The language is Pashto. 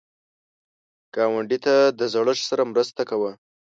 ګاونډي ته د زړښت سره مرسته کوه